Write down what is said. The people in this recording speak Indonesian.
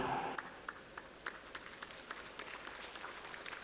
mereka harus memiliki kekuatan